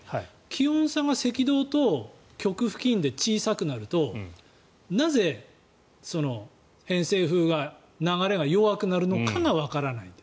気温差が赤道と極付近で小さくなるとなぜ、偏西風が流れが弱くなるのかがわからない。